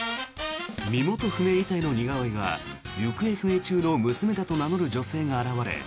身元不明遺体の似顔絵が行方不明中の娘だと名乗る女性が現れ。